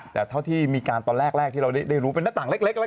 แต่เท่าที่มีการตอนแรกที่เราได้รู้เป็นหน้าต่างเล็กแล้ว